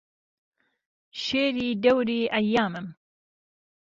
شێری دهوری عهیامم